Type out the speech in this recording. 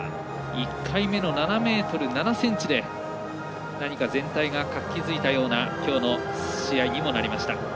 １回目の７ｍ７ｃｍで何か全体が活気づいたようなきょうの試合にもなりました。